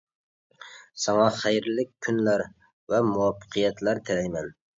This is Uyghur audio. ساڭا خەيرلىك كۈنلەر ۋە مۇۋەپپەقىيەتلەر تىلەيمەن.